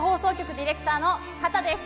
ディレクターの秦です。